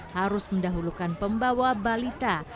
harus mendahulukan pembawa balita